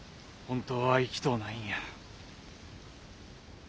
本当は行きとうないんや。